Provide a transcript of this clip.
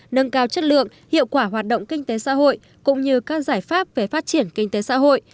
nâng cao chất lượng hiệu quả hoạt động kinh tế xã hội cũng như các giải pháp về phát triển kinh tế xã hội